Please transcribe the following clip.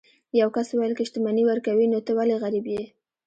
یو کس وویل که شتمني ورکوي نو ته ولې غریب یې.